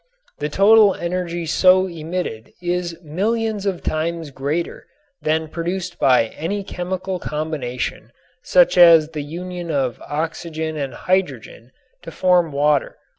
The total energy so emitted is millions of times greater than that produced by any chemical combination such as the union of oxygen and hydrogen to form water.